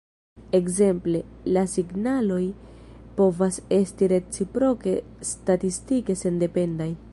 Ekzemple, la signaloj povas esti reciproke statistike sendependaj.